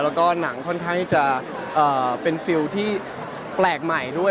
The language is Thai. แล้วก็หนังค่อนข้างจะเป็นฟิลที่แปลกใหม่ด้วย